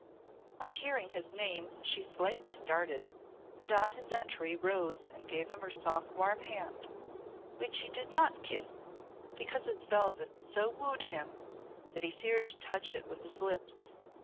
On hearing his name she slightly started, and on his entry rose and gave him her soft warm hand, which he did not kiss because its velvet so wooed him that he feared to touch it with his lips.